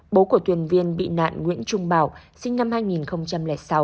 bố của thuyền viên bị nạn nguyễn trung bảo sinh năm hai nghìn sáu